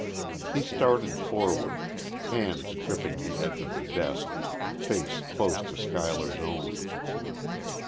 He started forward, hands gripping the edge of the desk, face close to Schuyler's own.